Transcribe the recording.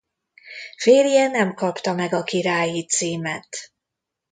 Férje nem kapta meg a királyi címet.